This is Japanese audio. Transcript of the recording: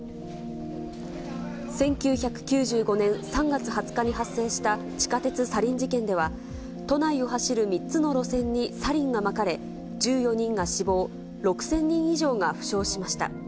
１９９５年３月２０日に発生した地下鉄サリン事件では、都内を走る３つの路線にサリンがまかれ、１４人が死亡、６０００人以上が負傷しました。